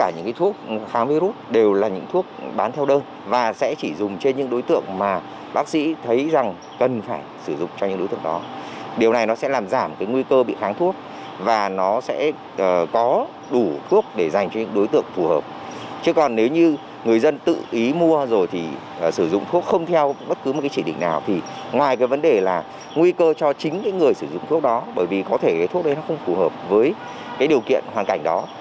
ngoài cái vấn đề là nguy cơ cho chính người sử dụng thuốc đó bởi vì có thể thuốc đấy không phù hợp với điều kiện hoàn cảnh đó